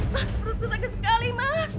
mas perutku sakit sekali mas